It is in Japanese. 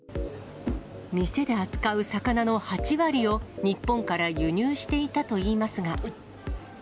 店で扱う魚の８割を、日本から輸入していたといいますが。